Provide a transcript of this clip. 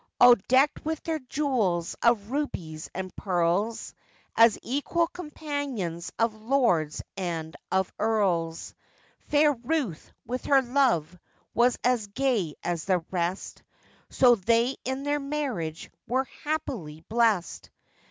All decked with their jewels of rubies and pearls, As equal companions of lords and of earls, Fair Ruth, with her love, was as gay as the rest, So they in their marriage were happily blessed.